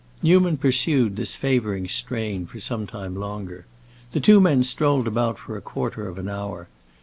Newman pursued this favoring strain for some time longer. The two men strolled about for a quarter of an hour.